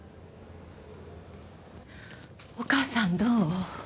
お義母さんどう？